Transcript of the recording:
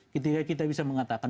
ketika kita bisa mengatakan